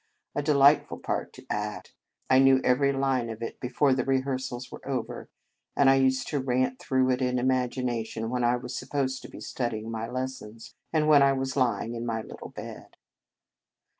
A delightful part to act! I knew every line of it before the rehearsals were over, and I used to rant through it in imagination when I was supposed to be studying my lessons, and when I was lying in my little bed.